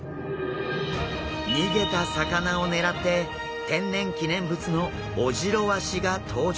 逃げた魚を狙って天然記念物のオジロワシが登場！